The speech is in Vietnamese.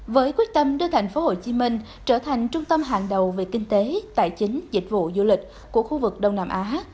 với quyết tâm đưa thành phố hồ chí minh trở thành trung tâm hàng đầu về kinh tế tài chính dịch vụ du lịch của khu vực đông nam á